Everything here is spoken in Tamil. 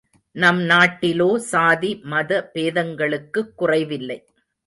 நம் நாட்டிலோ சாதி மத பேதங்களுக்குக் குறைவில்லை.